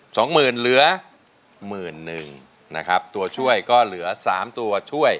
สองหมื่นเหลือหมื่นหนึ่งนะครับตัวช่วยก็เหลือสามตัวช่วย